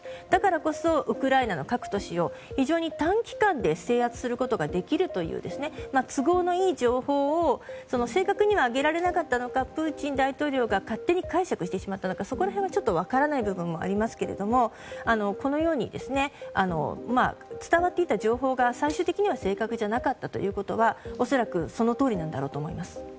だからこそウクライナの各都市を非常に短期間で制圧することができるという都合のいい情報を正確には上げられなかったのかプーチン大統領が勝手に解釈してしまったのかそこら辺は少し分からない部分もありますが、このように伝わっていた情報が最終的には正確じゃなかったということは恐らく、その通りだと思います。